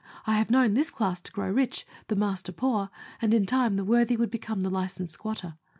I have known this class to grow rich, the master poor, and in time the worthy would become the licensed squatter.